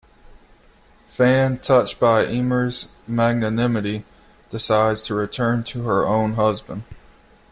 Fand, touched by Emer's magnanimity, decides to return to her own husband.